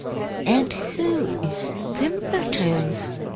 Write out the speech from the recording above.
"And who is Thimbletoes?"